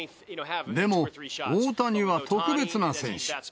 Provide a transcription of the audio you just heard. でも、大谷は特別な選手。